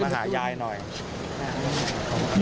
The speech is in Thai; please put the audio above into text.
อ๋อมาหายายหน่อย